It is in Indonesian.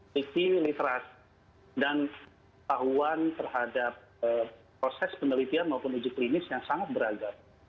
sisi literasi dan tahuan terhadap proses penelitian maupun uji klinis yang sangat beragam